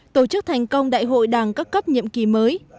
tổ chức thành công đại hội đảng các cấp nhiệm kỳ mới